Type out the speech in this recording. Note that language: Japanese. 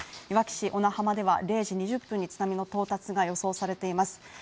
いわき市小名浜では０時２０分に津波の到達が予想されています